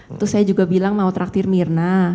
terus saya juga bilang mau traktir mirna